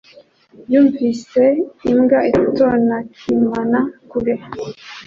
Yumvise imbwa itonakimanaa kure.